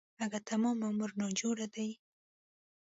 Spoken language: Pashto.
اگه تمام عمر ناجوړه دی.